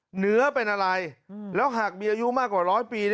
เหนือเป็นอะไรแล้วหากมีอายุมากกว่าร้อยปี